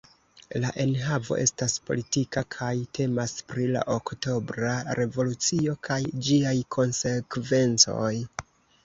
La enhavo estas politika kaj temas pri la Oktobra Revolucio kaj ĝiaj konsekvencoj.